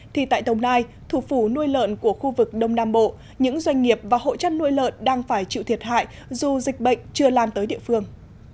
thì tại đồng nai thủ phủ nuôi lợn của khu vực đông nam bộ những doanh nghiệp và hộ chăn nuôi lợn đang phải chịu thiệt hại dù dịch bệnh chưa lan tới địa phương